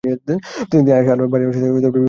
তিনি আয়েশা আল-বাউনিয়ার সাথে বিবাহ বন্ধনে অবদ্ধ হন।